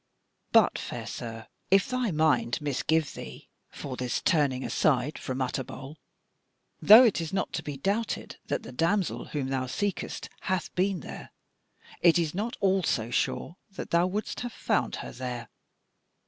But, fair sir, if thy mind misgive thee for this turning aside from Utterbol; though it is not to be doubted that the damsel whom thou seekest hath been there, it is not all so sure that thou wouldst have found her there.